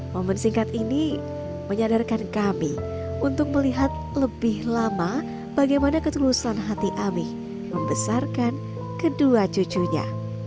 momen singkat ini menyadarkan kami untuk melihat lebih lama bagaimana ketulusan hati ami membesarkan kedua cucunya